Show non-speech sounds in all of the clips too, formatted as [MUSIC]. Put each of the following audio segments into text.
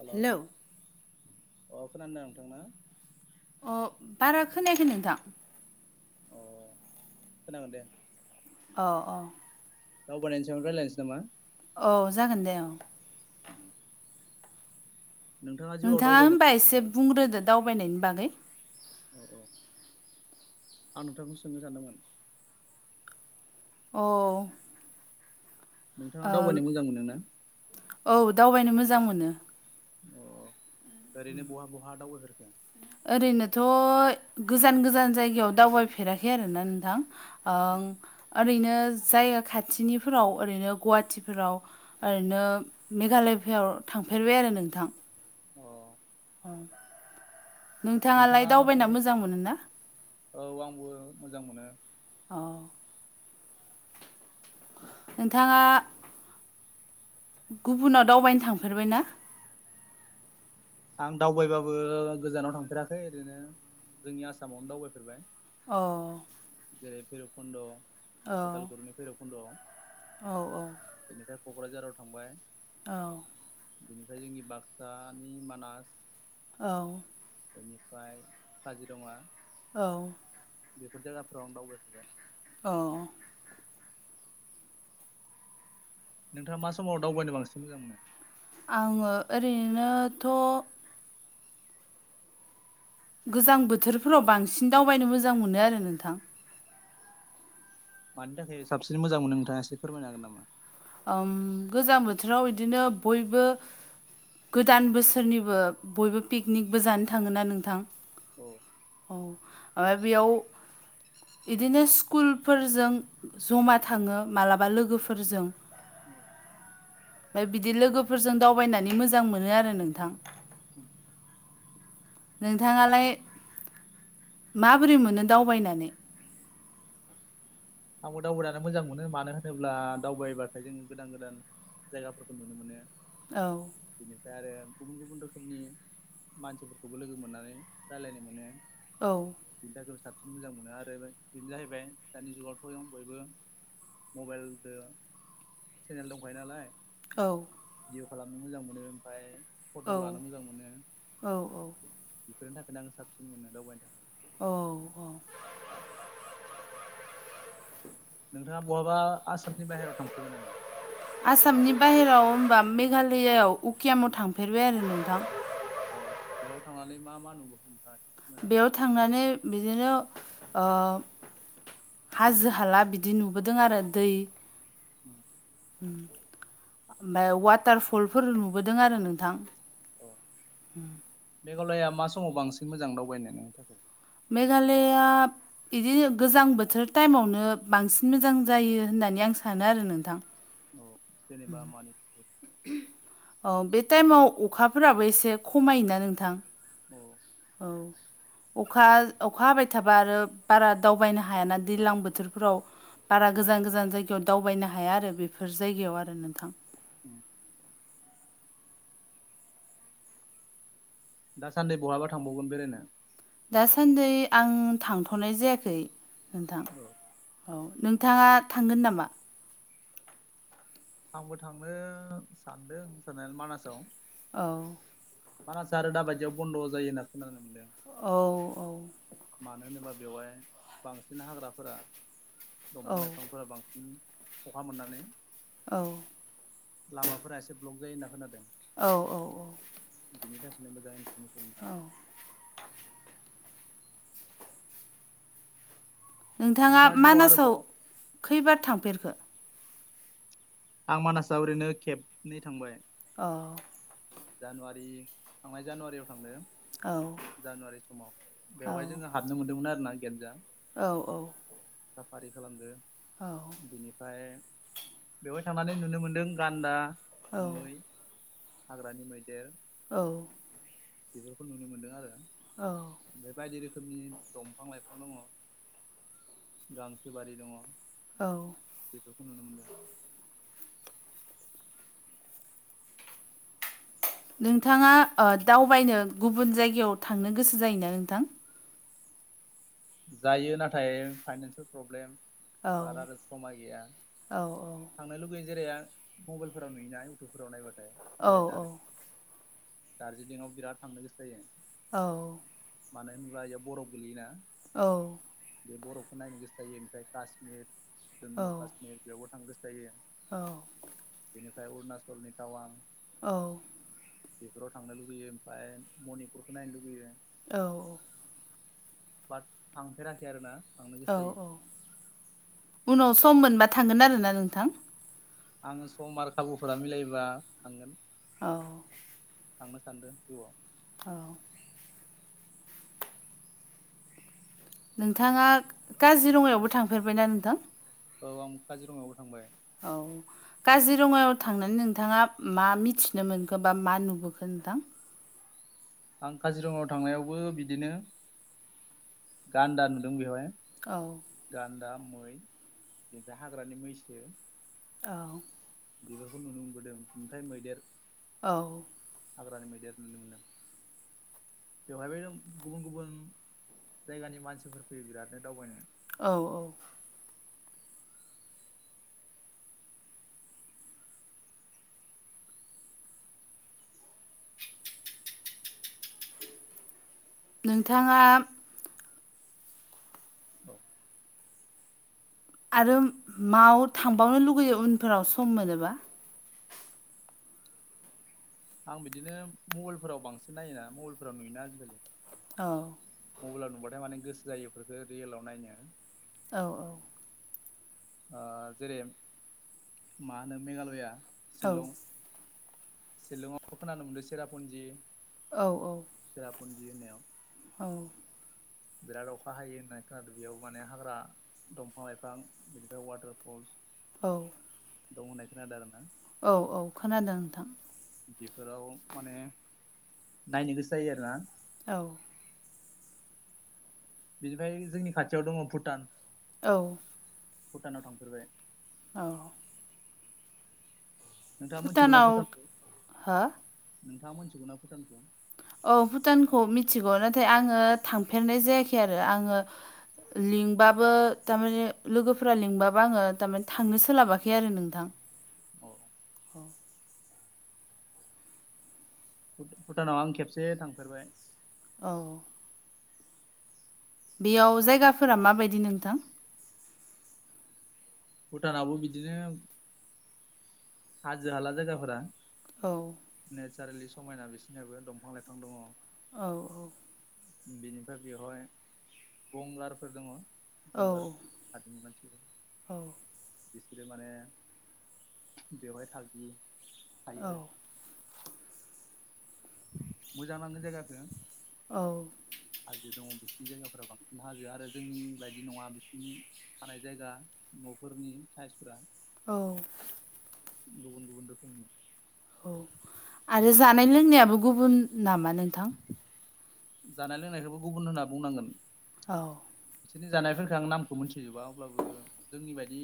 हेल' hello अ खोनादों नोंथांना अ बारा खोनायाखै नोंथां अ होनोनांगोन दे औ औ दावबायानायनायनि सायाव रायनोसै नामा औ जागोन दे औ जिउआव नोंथाङा दावबायनो होनोमबा एसे नामा बुंग्रोदो दावबायनायनि बागै औ औ आं नोंथांखौ सोंनो सानदोंमोन अ नोंथाङा दावबायनो मोजां मोनदों ना औ दावबायनो मोजां मोनो अ ओरैनो बहा बहा दावबायहेरखो ओरैनोथ' गोजान गोजान जायगायाव दावबायफेराखै आरोोना नोंथां ओरैनो जाय खाथिनिफोराव ओरैनो गुवाहाटिफोराव ओरैनो मेघालयआव थांफेरबाय आरो नोंथां अ औ नोंथाङा नोंथाङालाय दावबायना बबे मोजां मोनो ना औ आंबो मोजां मोनो औ नोंथाङा गुबुनाव दावबायनो थांफेरबाय ना आं दावबायबाबो गोजानाव थांफेराखै ओरैनो जोंनि आसामावनो दावबायफेरबाय अ जेरै भैरबकुन्द' उदालगुरिनि भैरबकुन्द'आव औ औ बेनिफ्राय क'क्राझाराव थांबाय औ बेनिफ्राय जोंनि बाक्सानि मानास औ बेनिफ्राय काजि दङा औ बेफोर जायगाफोराव आं दावबायफाबाय अ नोंथाङा मा समावबायनो बांसिन मोजां मोनो आङो ओरैनोथ' गोजां बोथोरफोराव बांसिन दावबायनो मोजां मोनो आरो नोंथां मानि थाखाय साबसिन मोजां मोनो नोंथाङा एसे फोरमायनो हागोन नामा गोजां बोथोराव बिदिनो बयबो गोदान बोसोरनिबो बयबो पिकनिकबो जानो थाङोा नोंथां औ औ आाब आ बिदिनो स्कुलफोरजों जमा थाङो मालाबा लोगोफोरजों औम ओमफफ्राय बिदि लोगोफोरजों दावबायनानै मोजां मोनो आरो नोंथां उम नोंथाङालाय माबोरै मोनो दावबायनानै आंबो दावबायानो मोजां मोनो मानो होनोब्ला दावबायबाथाय जोङो गोदान गोदान जायगाफोरखौ नुनो मोनो औ बेनिफ्राय आरो गुबुन गुबुन रोखोमनि मानसिफोरखौबो लोगो मोननानै रायज्लायनो मोनो औ बेनि थाखायबो साबसिन मोजां मोनो आरोबो बेनो जाहैबाय दानि जुगाव खयं बयबो मबाइलजो चेनेल दंखायो नालाय औ। भिडिअ खालामनो मोजां मोनो ओमफाय फट' लानो मोजां मोनो। औ औ। बेफोरनि थाखायनो आं साबसिन मोनो दावबायनो थाखाय। औ अ नोंथाङा बहाबा आसामनि बाहेरायाव थांफेरबाय नामा? आसामनि बाहेराव होमबा मेघालयाआव उकियामाव थांफेरबाय आरो नोंथां। औ बेयाव थांनानै मा मा नुबोखो नोंथाङा? फोरमायनो बेयाव थांनानै बिदिनो ओ हाजो हाला बिदि नुबोदों आरो दै उम उम ओमफाय वाटार फुलफोर नुबोदों आरो नोंथां। औ हुम मेघालया मा समाव बांसिन मोजां दावबायनो नोंनि थाखाय? मेघालया इदिनो गोजां बोथोर टाइमावनो बांसिन मोजां जायो होननानै आं सानो आरो नोंथां। औ जेनेबा मानि थाखाय? औ बे टाइमाव अखाफोराबो एसे खमायोना नोंथां अ। औ। अखा अखा हाबाय थाबा आरो बारा दावबायनो हायाना दैज्लां बोथोरफोराव। बारा गोजान गोजान जायगायाव दावबायनो हाया आरो बेफोर जायगायाव आरो नोंथां। उम। दासान्दि बहाबा थांबावगोन बेरायनो? दासान्दि आं थांथ'नाय जायाखै नोंथां। अ। औ नोंथाङा थांगोन नामा? आंबो थांनो सानदों सानाया मानासाव। औ। मानासा आरो दाबादियाव बन्द' जायो होनना खोनानो मोनदों। औ अ मानो होनोबा बेवहाय बांसिन हाग्राफोरा दंफां औ लाइफांफोरा बांसिन अखा मोननानै औ। लामाफोरा एसे ब्लक जायो होन्ना खोनादों। औ औ अ बिनि थाखायनो मोजां इनफरमेसन मोना। औ नोंथाङा जिउआव आरोबाव मानासाव खैबार थांफेरखो? आं मानासाव ओरैनो खबनै थांबाय। अ जानुवारि थांनाय जानुवारियाव थांदों औ जानुवारि समाव औ बेवहाय जोंहा हाबनो मोन्दोंमोन आरो ना गेदजों। औ औ। साफारि खालामदो बिनिफ्राय बेवहाय थांनानै नुनो मोन्दों गान्दा, मै, औ हाग्रानि मैदेर। औ। बेफोरखौ नुनो मोनदों आरो औ। बे बायदि रोखोमनि दंफां लाइफां दङ। गांसो बारि दङ औ बेफोरखौ नुनो मोनदों। नोंथाङा दावबायनो गुबुन जायगायाव थांनो गोसो जायोना नोंथां। जायो नाथाय फाइनानसियेल प्रब्लेम औ बारा रोस खमाय गैया औ थांनो लुै [UNINTELLIGIBLE] राया मबाइलफोराव नुयोोना इउटुबफोराव नायबाथाय औ जेरै दादो दार्जिलिंआव बिराद थांनो गोसो जायो। औ मानो होनोब्ला जयाव बरफ गोलैयोना। औ बे बर'खौ नायनो गोसो जायो ओमफ्राय काश्मिर औ जम्मु काश्मीिर बेयावबो थांनो गोसो जायो। औ बेनिफ्राय अरुणाचलनि टाउान। औ बेफोराव थांनो लुगैयो ओमफ्राय मनिपुरखौो नायनो लुगैयो। औ औ बाद थांफेराखै आरोना थांनो औ गोसो जायो औ उनाव सम मोनबा थांगोन आरोना नोंथां। आङो सम आरो खाबुफोरा मिलायब थांगोन। औ थांनो सानदों जिउआव औ नोंथाङा काजिरङायावबो थांफेरबायना नोंथां। औ आं काजिरङायावबो थांबाय। औ काजिरङायाव थांनानै नोंथाङा मा मिथिनो मोनखो बा मा नुबोखो नोंथां। आं काजिरङायाव थांनायावबो बिदिनो गान्दा नुदों बेवहाय औ गान्दा मै बि हाग्रानि मैसो। औ बेबारफोरखौ नुनो मोनबोदों खुथाइ मैदेर औ हाग्रानि मेदैर नुदों। बेवहायबो गुबुन गुबुन जायगानि मानसिफोर फैयो बिरादनो दावबायनो। औ औ नोंथाङा। औ आरो मावायाव थांबावनो लुगैयो उनफोराव सम मोनोबा आं बिदिनो मबाइलफोराव बांसिन नायोना मबाइलफोराव नुयोना आजिखालि औ मबाइलाव नंबाथाय माने गोसो जायो बेफोरफोरखौ रियेलाव नायनो। औ औ ओ जेरै मा होनो मेघालया औ शिलं शिलंआव खोनानो मोनदों सेरापुन्जि औ औ जेराुजि होनाव औ बिराद अखा हायो होननानै खोनादो बेयाव माने हाग्रा दंफां लाइफां बिनिफ्राय वाटारफल्स औ दं होननाय खोनादों आरो ना औ औ खोनादों नोंथां। बेफोराव माने नायनो गोसो जायो आरोना? औ बिनिफ्राय जोंनि खाथियाव दङ भुटान औ भुटानाव थांफेरबाय औ नोंथांङा मोनथिगौ ना भुटानाव भुटानखौ हो नोंथांङा मोनथिगौना भुटानखौ औ भुटानखौ मिथिगौ नाथाय आंङो थांफेरनाय जायाखै आरो आंङो लिंबाबो थारमाने लोगोफोरा लिंबाबो आंङो थारमाने थांनो सोलाबाखै आरो नोंथां। अ औ भुटानाव आं खेबसे थांफेरबाय। औ बेयाव जायगाफोरा माबायदि नोंथां? भुटानाबबो बिदिनो हाजो हाला जायगाफोरा। औ नेचारेलि समायना बिसोरनियाबो दंफां लाइफां दंङ। औ औ बेनिफ्राय बेवहाय गंगारफोर दंङ। औ गंगार हादोरनि मानसिफोर बिसोरो माने बेवहाय थागि थायो औ आरो मोजां नांङो जायगाखो। औ हाजो दंङ बिसोरनि जायगाफोरा बांसिन हाजो आरो जोंनि बायदि नंङा बिसिनि थानाय जायगा न'फोरनि साइसफोरा औ गुबुन गुबुन रोखोमनि औ आरो जानाय लोंनायाबो गुबुन नामा नोंथां? जानाय लोंनायखौबो गुबुन होनना बुंनांगोन। औ बिसोरनि जानायफोरखो आं नामखौ मोनथिजोबा अब्लाबो जोंनि बायदि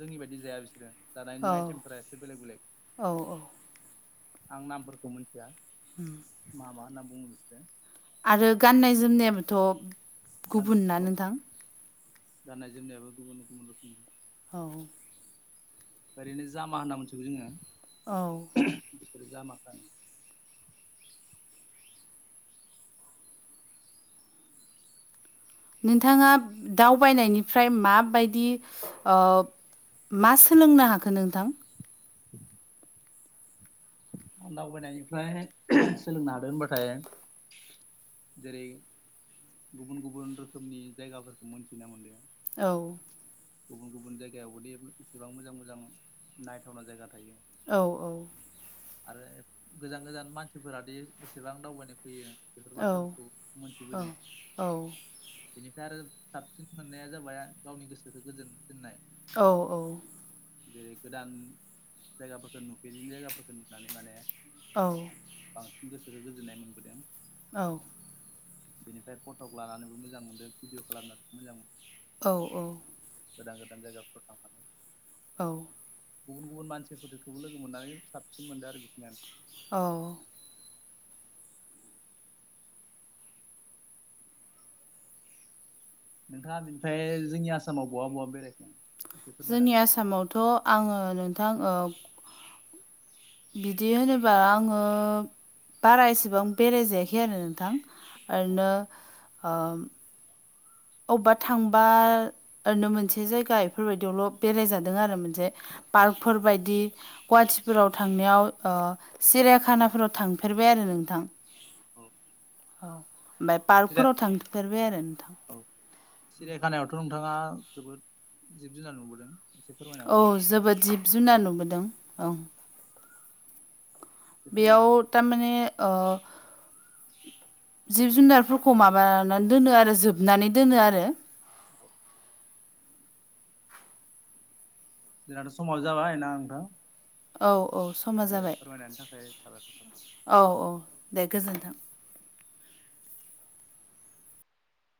जोंनि बायदि जाया बिसोरो। जानायनि औ आइटेमफोरा एसे बेलेग बेलेग औ औ आं नामफोरखौ मिथिया। उम मा मा होनना बुं बिसोरो। आरो गाननाय जोमनायाबोथ' गान गुबुन ना औ नोंथां गाननाय जोमनायाबो गुबुन गुबुन रोखोमनि औ ओरैनो जामा होनना मिथिगौ जोंङो। औ बिसोरो जामाखोनो। नोंथांङा दावबायनायनिफ्राय माबायदि ओ मा सोलोंनो हाखो नोंथां? दावबायनायनिफ्राय सोलोंनो हादों होनबाथाय जेरै गुबुन गुबुन रोखोमनि जायगाफोरखौ मोनथिना मोनदों। औ गुबुन गुबुन जायगायावबोदि एसेबां मोजां मोजां नायथावना जायगा थायो औ औ आरो गोजान गोजान मानसिफोरादि एसेबां दावबायनो फैयो बेफोर औ औ बाथ्राफोरखौ औ मोनथिबोदों औ बेनिफ्राय आरो साबसिन मोननाया जाबाय गावनि गोसोखौ गोजोन थिननाय औ औ जेरै गोदान जायगाफोरखौ नुफेरै जायगाफोरखौ नुनानै माने औ बांसिन गोसोजों गोजोननाय मोनबोदों औ बेनिफ्राय फट' लानानैबो मोजां मोनदों भिडिअ खालामनानै मोजां मोनो औ औ गोदान गोदान जायगाफोराव थांनानै औ गुबुन गुबुन मानसिफोरखौबो लोगो मोननानै साबसिन मोनदों आरो बिखिनियानो औ नोंथाङा बेनिफ्राय जोंनि आसामाव बहा बहा बेरायखो एसे फोरमायनो जोंनि हागोन आसामावथ' आङो नोंथां ओ बिदि होनोबा आङो बारा एसेबां बेराय जायाखै आरो नोंथां नामा औ ओरैनो ओम अबेबा थांबा ओरैनो मोनसे जायगा इफोरबायदियावल' बेरायजादों आरो मोनसे पार्कफोर बायदि गुवाहाटिफोराव थांनायाव सिरियाखानाफोराव थांफेरबाय आरो नोंथां औ औ ओमफ्राय सिरिया पार्कफोराव थांफेरबाय आरो नोंथां सिरिया खानायावथ' नोंथाङा जोबोद जिब जुनार नुबोदों एसे फोरमायनो हागोन औ नामा जोबोद जिब जुनार नुबोदों औ एसे फोरमायनो बेयाव थारमाने ओ जिब जुनारफोरखौ माबानानै दोनो आरो जोबनानै दोनो आरो औ जोंनाथ' समाव जाबाय ना नोंथां औ औ समा दे जाबाय फोरमायनायनि थाखाय साबायखर थाबाय औ औ दे गोजोन्थों